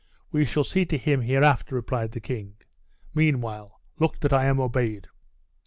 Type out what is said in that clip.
"We shall see to him hereafter," replied the king; "meanwhile, look that I am obeyed."